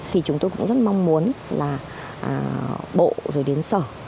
thì chúng tôi cũng rất mong muốn là bộ rồi đến sở